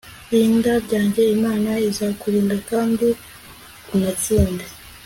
RINDA BYANJYE IMANA IZAKURINDA KANDI UNATSINDE